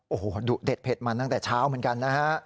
โอ้โหดุเด็ดเผ็ดมันตั้งแต่เช้าเหมือนกันนะฮะ